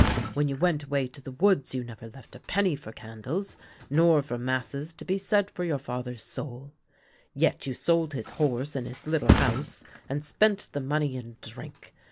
When you went away to the woods you never left a penny for candles, nor for masses to be said for your father's soul ; yet you sold his horse and I04 THE LANE THAT HAD NO TURNING his little house, and spent the money in drink.